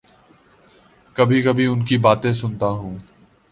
کبھی کبھی ان کی باتیں سنتا ہوں۔